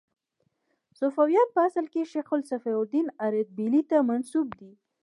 صفویان په اصل کې شیخ صفي الدین اردبیلي ته منسوب دي.